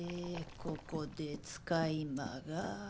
ここで使い魔が。